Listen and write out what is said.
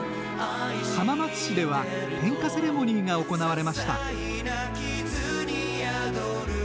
浜松市では、点火セレモニーが行われました。